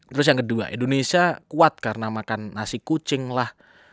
terus yang kedua indonesia kuat karena makan nasi kucing lah